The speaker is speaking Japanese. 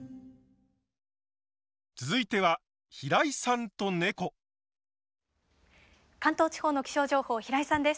続いては関東地方の気象情報平井さんです。